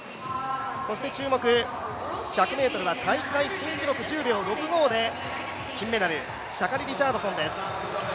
そして、注目１００ｍは大会新記録１０秒６５で金メダルシャカリ・リチャードソンです。